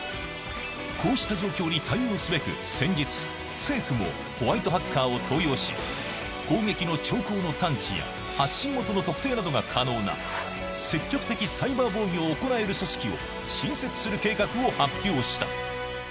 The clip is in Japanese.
こうした状況に対応すべく、先日、政府も、ホワイトハッカーを登用し、攻撃の兆候の探知や発信元の特定などが可能な、積極的サイバー防御を行える組織を新設する計画を発表した。